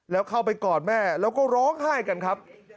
แล้วเข้าไปกอดแม่แล้วก็ร้องไห้กันครับ